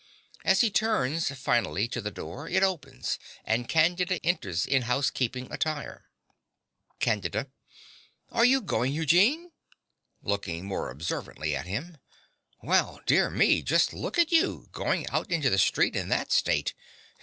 (As he turns finally to the door, it opens and Candida enters in housekeeping attire.) CANDIDA. Are you going, Eugene?(Looking more observantly at him.) Well, dear me, just look at you, going out into the street in that state!